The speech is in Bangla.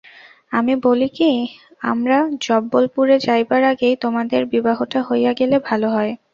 আমি বলি কী, আমরা জব্বলপুরে যাইবার আগেই তোমাদের বিবাহটা হইয়া গেলে ভালো হয়।